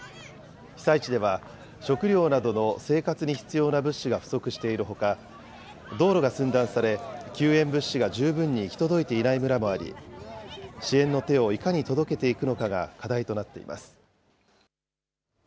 被災地では、食料などの生活に必要な物資が不足しているほか、道路が寸断され、救援物資が十分に行き届いていない村もあり、支援の手をいかに届けていくのかが課題となっています。